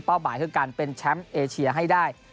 หมายคือการเป็นแชมป์เอเชียให้ได้